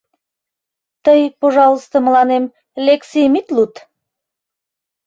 Тый, пожалуйста, мыланем лекцийым ит луд!